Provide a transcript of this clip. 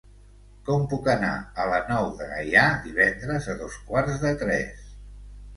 Com puc anar a la Nou de Gaià divendres a dos quarts de tres?